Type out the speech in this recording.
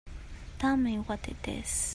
Tell me what it is.